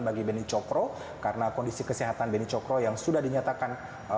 bagi beni cokro karena kondisi kesehatan beni cokro yang sudah dinyatakan